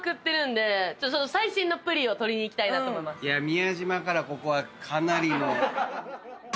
宮島からここはかなりの。